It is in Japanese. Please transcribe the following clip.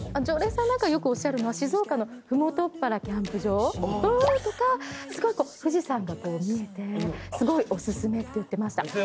常連さんなんかよくおっしゃるのは静岡のふもとっぱらキャンプ場とかすごい富士山が見えてすごいおすすめって言ってました。